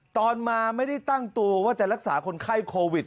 ตอนมาไม่ได้ตั้งตัวว่าจะรักษาคนไข้โควิด